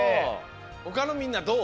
ほかのみんなどう？